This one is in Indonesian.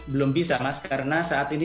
belum bisa mas karena saat ini